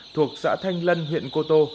thuộc xã thanh lân huyện cô tô